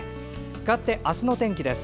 かわって、明日の天気です。